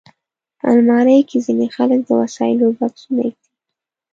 الماري کې ځینې خلک د وسایلو بکسونه ایږدي